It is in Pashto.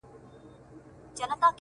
وايي اوس مړ يمه چي مړ سمه ژوندی به سمه